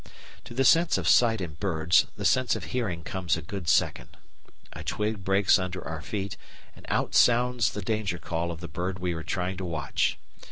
To the sense of sight in birds, the sense of hearing comes a good second. A twig breaks under our feet, and out sounds the danger call of the bird we were trying to watch.